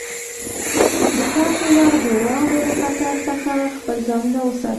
د کار پر وخت د وړانګو له خطر څخه خپل ځانونه وساتي.